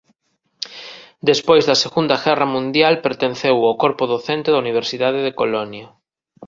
Despois da segunda guerra mundial pertenceu ao corpo docente da Universidade de Colonia.